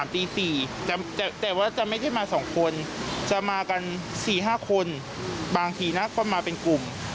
ตี๔แต่ว่าจะไม่ใช่มา๒คนจะมากัน๔๕คนบางทีนะก็มาเป็นกลุ่ม